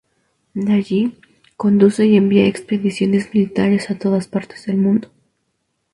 De allí conduce y envía expediciones militares a todas partes del mundo.